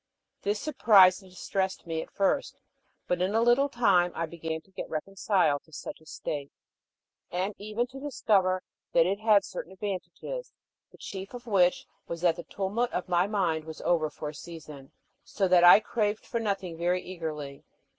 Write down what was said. This surprised and distressed me at first, but in a little time I began to get reconciled to such a state, and even to discover that it had certain advantages, the chief of which was that the tumult of my mind was over for a season, so that I craved for nothing very eagerly.